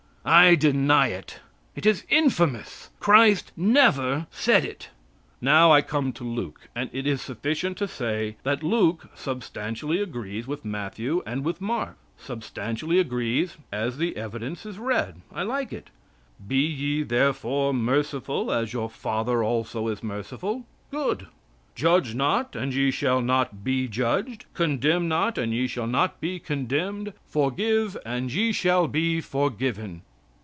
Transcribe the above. I deny it. It is infamous. Christ never said it! Now I come to Luke, and it is sufficient to say that Luke substantially agrees with Matthew and with Mark. Substantially agrees, as the evidence is read. I like it. "Be ye therefore merciful, as your Father also is merciful." Good! "Judge not, and ye shall not be judged. Condemn not, and ye shall not be condemned; forgive and ye shall be forgiven."